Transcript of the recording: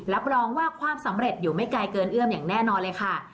รับรองว่าความสำเร็จอยู่ไม่ไกลเกินเอื้อมอย่างแน่นอนเลยค่ะ